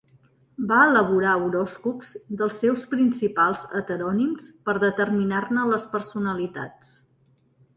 Va elaborar horòscops dels seus principals heterònims per determinar-ne les personalitats.